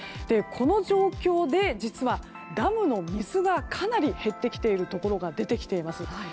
この状況で実はダムの水がかなり減ってきているところが出てきています。